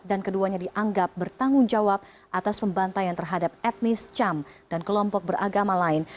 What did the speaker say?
dan keduanya dianggap bertanggung jawab atas pembantaian terhadap etnis cam dan kelompok beragama lain